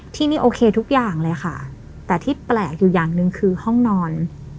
ที่นี่โอเคทุกอย่างเลยค่ะแต่ที่แปลกอยู่อย่างหนึ่งคือห้องนอน